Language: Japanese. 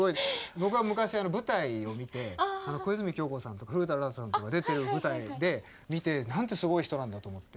僕は昔舞台を見て小泉今日子さんと古田新太さんが出てる舞台で見てなんてすごい人なんだと思って。